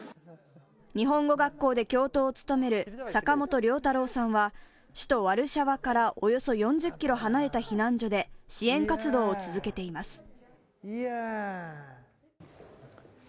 日本語学校で教頭を務める坂本龍太朗さんは、首都ワルシャワからおよそ４０ｋｍ離れた避難所で支援活動を続けています。